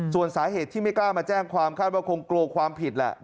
ส่วนสาเหตุที่ไม่กล้ามาแจ้งความคาดว่าคงกลัวความผิดแหละ